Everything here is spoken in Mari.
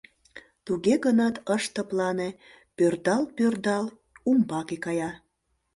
Туге гынат, ыш тыплане, пӧрдал-пӧрдал умбаке кая.